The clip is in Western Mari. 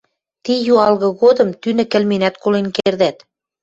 Ти юалгы годым тӱнӹ кӹлменӓт колен кердӓт...